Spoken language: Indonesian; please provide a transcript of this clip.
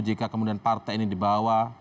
jika kemudian partai ini dibawa